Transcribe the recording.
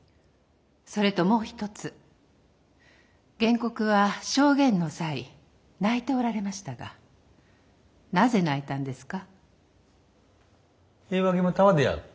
それともう一つ原告は証言の際泣いておられましたがなぜ泣いたんですか？